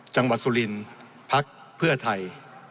จังหวัดสุรินทร์พักเพื่อไทย